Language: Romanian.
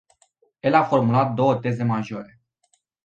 El a formulat două teze majore.